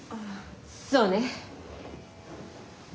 そうね。